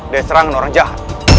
dari serangan orang jahat